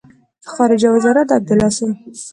خارجه وزارت د عبدالله شو.